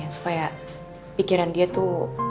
supaya pikiran dia tuh